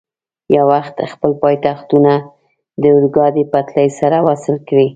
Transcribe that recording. یو وخت خپل پایتختونه د اورګاډي پټلۍ سره وصل کړي.